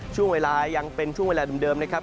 ช่วงเวลายังเป็นช่วงเวลาเดิมนะครับ